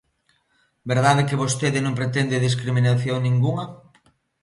¿Verdade que vostede non pretende discriminación ningunha?